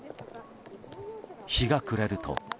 日が暮れると。